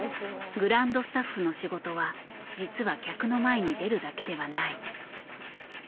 グランドスタッフの仕事は実は客の前に出るだけではない。